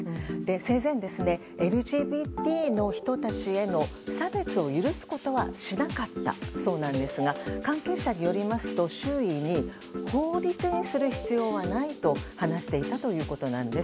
生前ＬＧＢＴの人たちへの差別を許すことはしなかったそうなんですが関係者によりますと周囲に法律にする必要はないと話していたということなんです。